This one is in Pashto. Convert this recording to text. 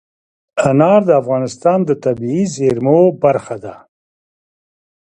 انار د افغانستان د طبیعي زیرمو برخه ده.